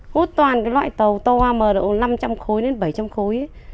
hút toàn cái loại tàu to hoa mờ độ năm trăm linh khối đến bảy trăm linh khối ấy